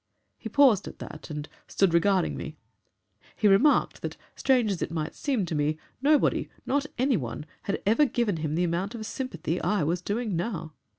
He paused at that, and stood regarding me. He remarked that, strange as it might seem to me, nobody, not any one, ever, had given him the amount of sympathy I was doing now.